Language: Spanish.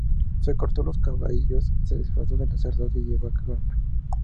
Se cortó los cabellos, se disfrazó de sacerdote y llegó a Caria.